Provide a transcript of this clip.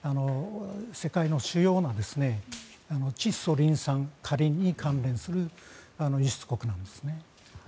世界の主要な窒素、リン酸カリンに関連する輸出国なんですね。